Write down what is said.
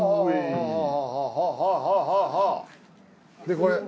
でこれ。